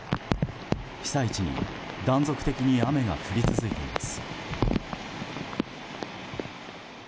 被災地に断続的に雨が降り続いています。